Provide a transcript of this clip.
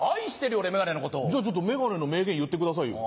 じゃあ眼鏡の名言言ってくださいよ。